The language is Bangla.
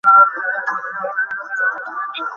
এখানে কেন এলে?